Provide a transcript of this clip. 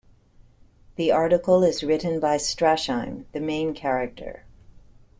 The article is written by Strasheim, the main character.